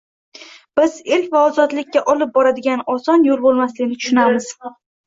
Biz erk va ozodlikka olib boradigan oson yo‘l bo‘lmasligini tushunamiz